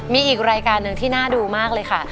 มีอีกรายการหนึ่งที่น่าดูมากเลยค่ะ